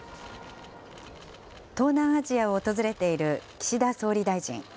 東南アジアを訪れている岸田総理大臣。